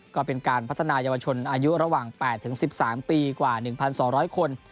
ก็เป็นการพัฒนายาวชนอายุระหว่าง๘๑๓ปีกว่า๑๒๐๐คน